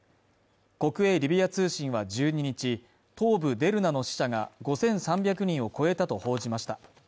国営リビア通信は１２日東部デルナの死者が５３００人を超えたと報じました